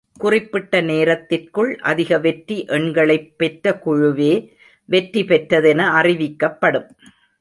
குறிப்பிட்ட நேரத்திற்குள் அதிக வெற்றி எண்களைப் பெற்ற குழுவே வெற்றி பெற்றதென அறிவிக்கப்படும்.